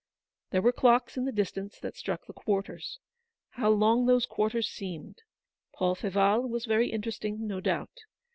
There were clocks in the distance that struck the quarters. How long those quarters seemed ! Paul Feval was very interesting, no doubt.